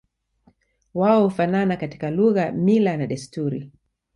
Wao hufanana katika lugha mila na desturi